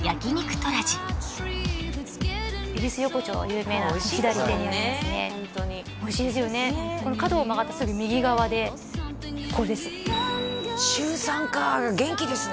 トラジ恵比寿横丁は有名な左手にありますねおいしいですよねねっこの角を曲がったすぐ右側でここです週３か元気ですね